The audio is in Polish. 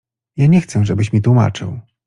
„Ja nie chcę, żebyś mi tłumaczył.